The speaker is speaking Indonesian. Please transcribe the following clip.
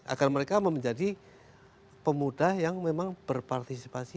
agar mereka menjadi pemuda yang memang berpartisipasi